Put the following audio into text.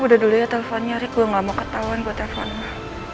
udah dulu ya telfonnya rick gue gak mau ketauan gue telfon lo